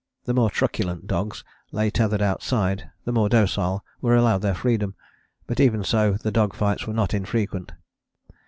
The more truculent dogs lay tethered outside, the more docile were allowed their freedom, but even so the dog fights were not infrequent.